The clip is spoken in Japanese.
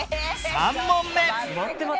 ３問目